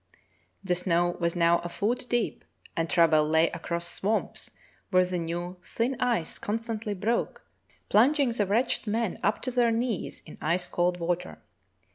The snow was now a foot deep and travel lay across swamps where the new, thin ice constantly broke, plunging the wretched men up to their knees in ice cold water.